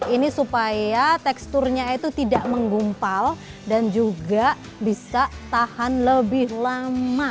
ini supaya teksturnya itu tidak menggumpal dan juga bisa tahan lebih lama